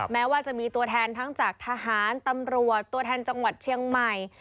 แม้ว่าจะมีตัวแทนทั้งจากทหารตำรวจตัวแทนจังหวัดเชียงใหม่